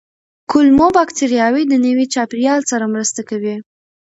کولمو بکتریاوې د نوي چاپېریال سره مرسته کوي.